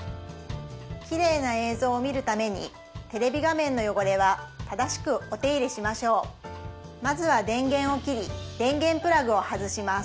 きれいな映像を見るためにテレビ画面の汚れは正しくお手入れしましょうまずは電源を切り電源プラグを外します